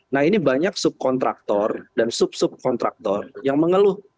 nah ini banyak subkontraktor dan sub subkontraktor yang mengeluh